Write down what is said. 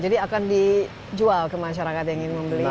jadi jual ke masyarakat yang ingin membeli atau